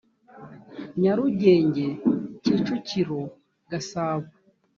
nyarugenge kicukiro gasabo